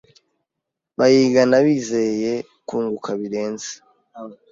bayigana bizeye kunguka birenze.